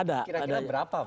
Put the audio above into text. ada kira kira berapa pak